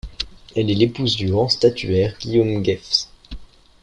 Elle est l'épouse du grand statuaire Guillaume Geefs.